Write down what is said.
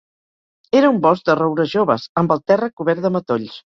Era un bosc de roures joves, amb el terra cobert de matolls.